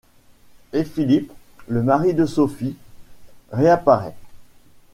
Et Philippe, le mari de Sophie, réapparaît.